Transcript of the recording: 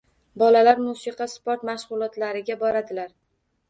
Bolalar musiqa, sport mashg‘ulotlariga boradilar.